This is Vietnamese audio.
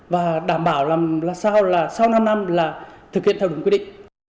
và đảm bảo sau năm năm thực hiện theo đúng quy định